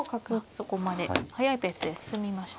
そこまで速いペースで進みましたね。